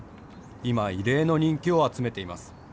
今、異例の人気を集めています。